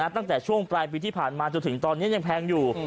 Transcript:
ตั้งแต่ช่วงปลายปีที่ผ่านมาจนถึงตอนนี้ยังแพงอยู่